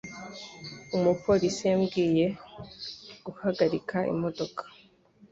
Umupolisi yambwiye guhagarika imodoka.